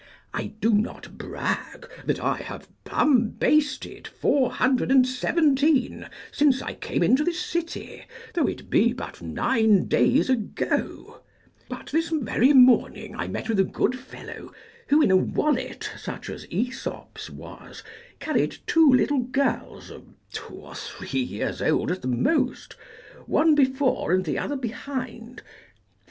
I do not brag that I have bumbasted four hundred and seventeen since I came into this city, though it be but nine days ago; but this very morning I met with a good fellow, who, in a wallet such as Aesop's was, carried two little girls of two or three years old at the most, one before and the other behind.